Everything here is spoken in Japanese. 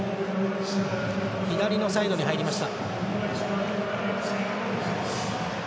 左のサイドに入りました。